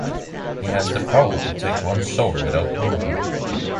He has the power to take one's soul without permission.